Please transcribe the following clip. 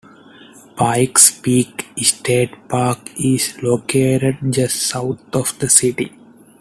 Pike's Peak State Park is located just south of the city.